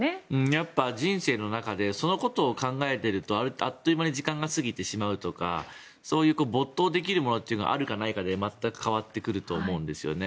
やっぱり、人生の中でそのことを考えているとあっという間に時間が過ぎてしまうとかそういう没頭できるものがあるかないかで全く変わってくると思うんです。